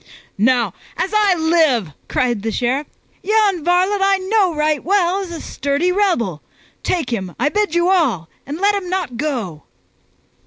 "Now as I live," cried the Sheriff, "yon varlet I know right well is a sturdy rebel! Take him, I bid you all, and let him not go!"